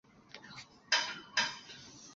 她治疗的部位是肋骨。